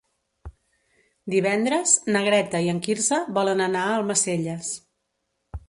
Divendres na Greta i en Quirze volen anar a Almacelles.